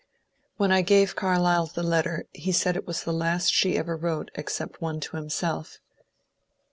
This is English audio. When I gave Carlyle the letter he said it ¥ras the last she ever wrote except one to himself.